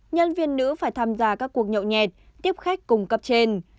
nhân viên nữ phải tham gia các cuộc nhậu nhẹt tiếp khách cùng cấp trên